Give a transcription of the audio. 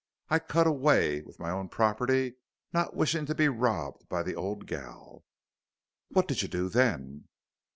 I cut away with m'own property, not wishin' to be robbed by the ole gal." "What did you do then?"